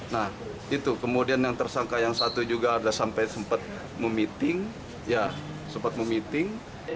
nah itu kemudian yang tersangka yang satu juga adalah sampai sempat memiting